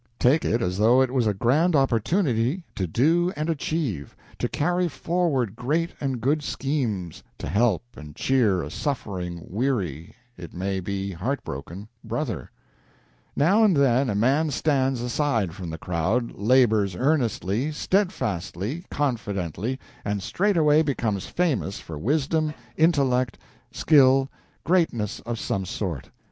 Take it as though it was a grand opportunity to do and achieve, to carry forward great and good schemes to help and cheer a suffering, weary, it may be heartbroken, brother. Now and then a man stands aside from the crowd, labors earnestly, steadfastly, confidently, and straightway becomes famous for wisdom, intellect, skill, greatness of some sort.